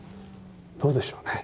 どうでしょうね